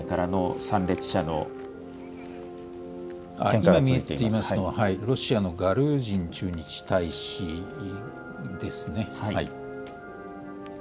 今見えていますのは、ロシアのガルージン駐日大使ですね。